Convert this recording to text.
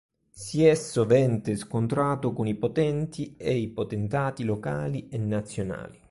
Si è sovente scontrato con i potenti ed i potentati locali e nazionali.